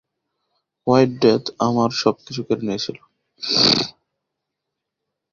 White death আমার সবকিছু কেড়ে নিয়েছিল।